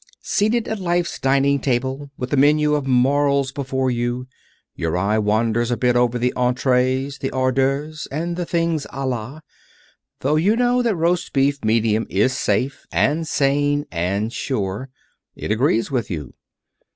Seated at Life's Dining Table, with the Menu of Morals before you, your eye wanders a bit over the entrees, the hors d'oeuvres, and the things a la, though you know that Roast Beef, Medium, is safe, and sane, and sure. It agrees with you.